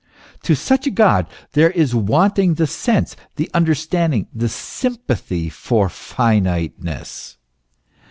To such a God there is wanting the sense, the understanding, the sympathy for finiteness.